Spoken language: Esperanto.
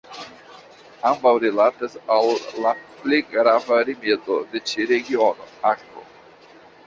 Ambaŭ rilatas al la pli grava rimedo de ĉi regiono: akvo.